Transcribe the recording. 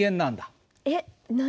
えっ何？